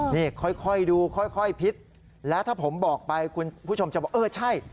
นี่ค่อยดูค่อยพิษและถ้าผมบอกไปคุณผู้ชมจะบอกเออใช่